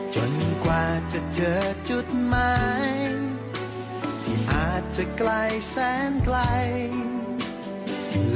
จนกว่าจะเจอจุดใหม่ที่อาจจะไกลแสนไกล